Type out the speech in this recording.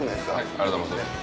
ありがとうございます。